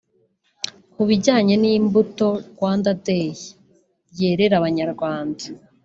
Ku bijyanye n’imbuto Rwanda Day yerera Abanyarwanda